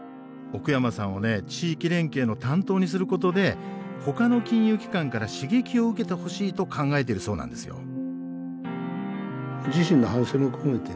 奥山さんを地域連携の担当にすることでほかの金融機関から剌激を受けてほしいと考えているそうなんですよ。